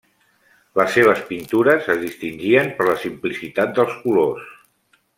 Les seves pintures es distingien per la simplicitat dels colors.